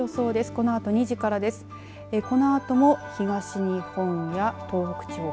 このあとも東日本や東北地方